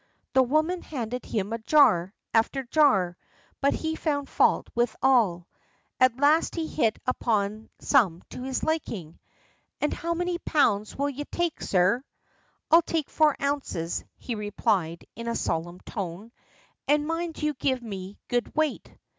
The woman handed him jar after jar, but he found fault with all. At last he hit upon some to his liking. "And how many pounds will you take, sir?" "I'll take four ounces," he replied, in a solemn tone, "and mind you give me good weight."